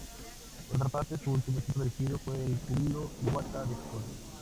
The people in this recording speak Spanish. Por otra parte, su último equipo dirigido fue el Júbilo Iwata de Japón.